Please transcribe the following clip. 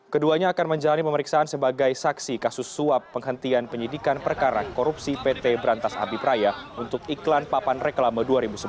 keduanya akan menjalani pemeriksaan sebagai saksi kasus suap penghentian penyidikan perkara korupsi pt berantas abipraya untuk iklan papan reklama dua ribu sebelas